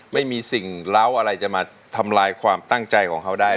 ไม่มีสิ่งเหล้าอะไรจะมาทำลายความตั้งใจของเขาได้